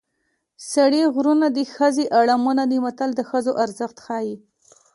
سړي غرونه دي ښځې اړمونه متل د ښځو ارزښت ښيي